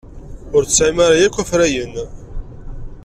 Ur tesɛim ara akk afrayen.